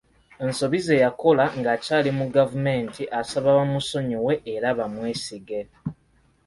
Ensobi ze yakola ng'akyali mu gavumenti, asaba bamusonyiwe era bamwesige.